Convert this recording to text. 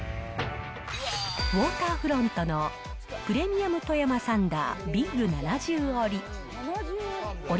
ウォーターフロントのプレミアム富山サンダー・ビッグ７０折。